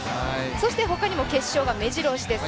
そして他にも決勝がめじろ押しです。